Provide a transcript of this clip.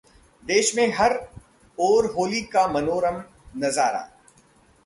देश में हर ओर होली का मनोरम नजारा